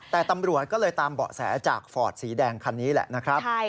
แต่ตำรวจก็เลยตามเบาะแสจากฟอร์ดสีแดงคันนี้แหละนะครับ